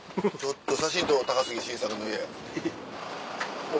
写真撮ろう高杉晋作の家。